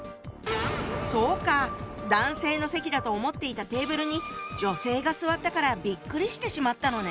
そうか男性の席だと思っていたテーブルに女性が座ったからビックリしてしまったのね。